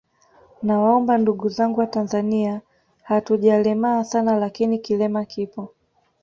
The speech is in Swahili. Nawaomba ndugu zangu watanzania hatujalemaa sana lakini kilema kipo